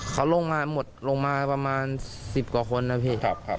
เขาลงมาหมดลงมาประมาณ๑๐กว่าคนนะพี่